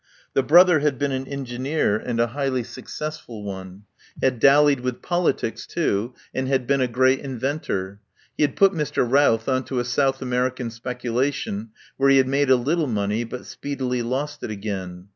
The brother had been an engineer and a highly successful one ; had dallied with politics, too, and had been a great inventor. He had put Mr. Routh on to a South American speculation, where he had made a little money but speedily lost it again.